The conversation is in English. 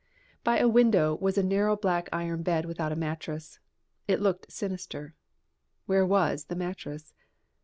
By a window was a narrow black iron bed without a mattress. It looked sinister. Where was the mattress?